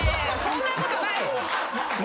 そんなことない。